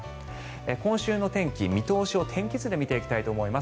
今週の天気、見通しを天気図で見ていきたいと思います。